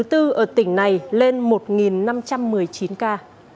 ở tỉnh này lên một năm trăm một mươi chín ca